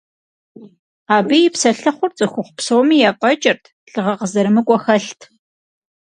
Абы и псэлъыхъур цӀыхухъу псоми ефӀэкӀырт, лӀыгъэ къызэрымыкӀуэ хэлът.